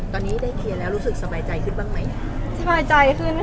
ตอนนี้ได้เคลียรแล้วรู้สึกสบายใจขึ้นบ้างมั้ย